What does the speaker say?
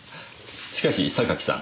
しかし榊さん。